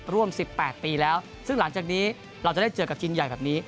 ร่วม๑๘ปีแล้วซึ่งหลังจากนี้เราจะได้เจอกับจีนใหญ่แบบนี้